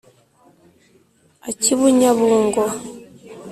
ak'i bunyabungo;